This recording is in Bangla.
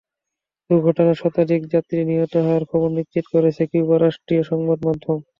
দুর্ঘটনায় শতাধিক যাত্রী নিহত হওয়ার খবর নিশ্চিত করেছে কিউবার রাষ্ট্রীয় সংবাদমাধ্যম।